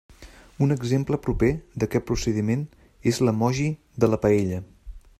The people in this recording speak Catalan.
Un exemple proper d'aquest procediment és l'emoji de la paella.